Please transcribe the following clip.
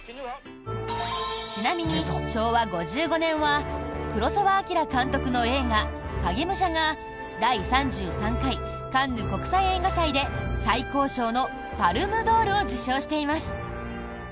ちなみに昭和５５年は黒澤明監督の映画「影武者」が第３３回カンヌ国際映画祭で最高賞のパルムドールを受賞しています。